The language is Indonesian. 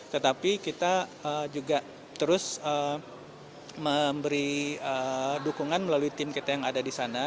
tetapi kita juga terus memberi dukungan melalui tim kita yang ada di sana